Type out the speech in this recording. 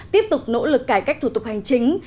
tiếp tục nỗ lực cải cách thủ tục hành chính